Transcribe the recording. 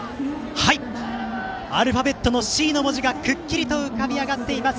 アルファベットのＣの文字がくっきり浮かび上がっています